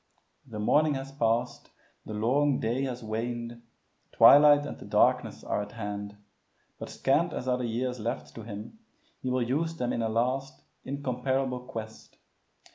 The morning has passed, the long day has waned, twilight and the darkness are at hand. But scant as are the years left to him, he will use them in a last, incomparable quest.